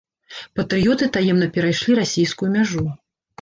Патрыёты таемна перайшлі расейскую мяжу.